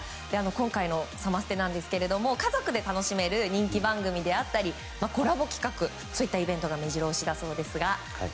今回のサマステなんですが家族で楽しめる人気番組やコラボ企画そういったイベントが目白押しだそうです。